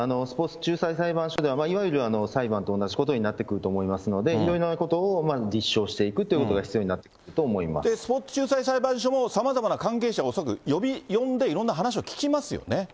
スポーツ仲裁裁判所では、いわゆる裁判と同じことになってくると思いますので、いろいろなことを立証していくということが必要になってくると思スポーツ仲裁裁判所も、さまざまな関係者を恐らく呼んで、いろんな話を聞きますよね。